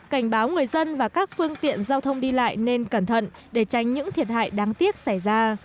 cảnh báo người dân và các phương tiện giao thông đi lại nên cẩn thận để tránh những thiệt hại đáng tiếc xảy ra